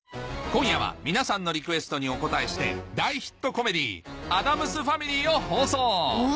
今夜は皆さんのリクエストにお応えして大ヒットコメディー『アダムス・ファミリー』を放送ワオ！